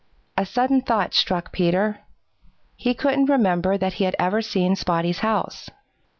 A sudden thought struck Peter. He couldn't remember that he ever had seen Spotty's house.